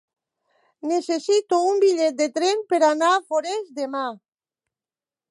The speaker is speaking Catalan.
Necessito un bitllet de tren per anar a Forès demà.